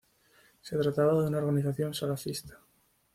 Se trataba de una organización salafista.